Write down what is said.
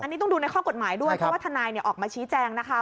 อันนี้ต้องดูในข้อกฎหมายด้วยเพราะว่าทนายออกมาชี้แจงนะคะ